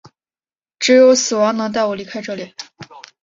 只有死亡能带我离开这里！